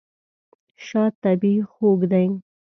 شات طبیعي خوږ دی.